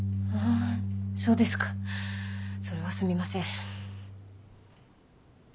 あそうですか。それはすみません。